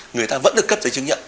người ta vẫn được cấp giấy chứng nhận